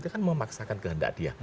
itu kan memaksakan kehendak dia